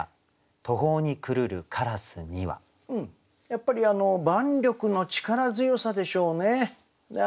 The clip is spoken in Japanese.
やっぱり万緑の力強さでしょうね。